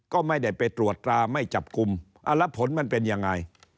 ก็ไม่ได้ไปตรวจตราไม่จับกลุ่มแล้วผลมันเป็นยังไง